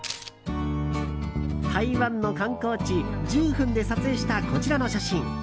台湾の観光地・十分で撮影したこちらの写真。